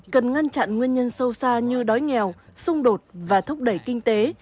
cần ngăn chặn nguyên nhân sâu xa như đói nghèo xung đột và thúc đẩy kinh tế